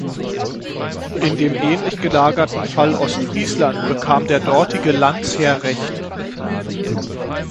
In dem ähnlich gelagerten Fall Ostfriesland bekam der dortige Landesherr Recht.